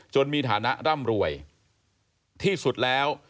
มีฐานะร่ำรวยที่สุดแล้ว